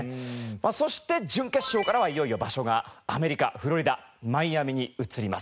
そして準決勝からはいよいよ場所がアメリカフロリダマイアミに移ります。